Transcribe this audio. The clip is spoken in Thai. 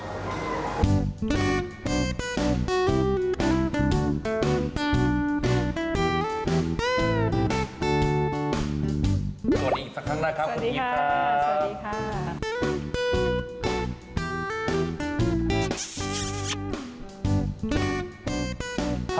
สวัสดีสักครั้งหน้าครับสวัสดีค่ะสวัสดีค่ะ